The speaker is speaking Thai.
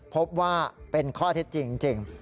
พบว่าเป็นข้อเท็จจริง